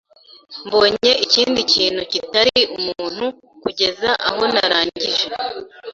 mbonye ikindi kintu kitari umuntu kugeza aho narangije